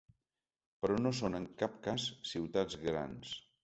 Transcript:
Però no són en cap cas ciutats grans.